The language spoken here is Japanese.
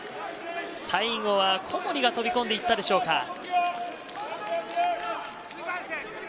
最後は小森が飛び込んでいったでしょうか。